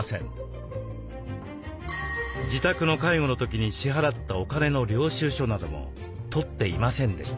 自宅の介護の時に支払ったお金の領収書なども取っていませんでした。